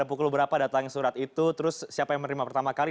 pukul berapa datang surat itu terus siapa yang menerima pertama kali